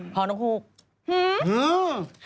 พ่อนขูบ